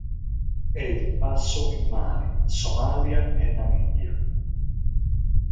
È di passo in Mali, Somalia e Namibia.